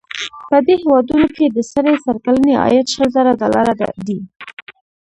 په دې هېوادونو کې د سړي سر کلنی عاید شل زره ډالره دی.